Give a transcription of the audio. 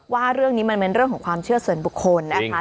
ว่าเรื่องนี้มันเป็นเรื่องของความเชื่อส่วนบุคคลนะคะ